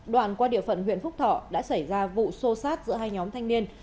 đoạn qua địa phận huyện phúc thọ đã xảy ra vụ xô xát giữa hai nhóm thanh niên